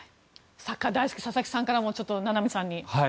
サッカー大好き佐々木さんからも名波さんに。